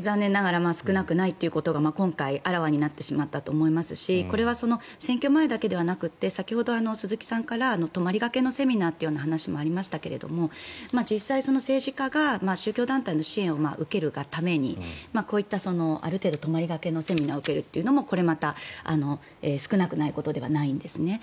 残念ながら少なくないということが今回、あらわになってしまったと思いますしこれは選挙前だけではなくて先ほど鈴木さんから泊まりがけのセミナーという話もありましたけど実際、政治家が宗教団体の支援を受けるがためにこういったある程度泊まりがけのセミナーを受けるのもこれまた少なくないことではないんですね。